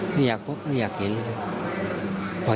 พออยากพบพออยากเห็นเลย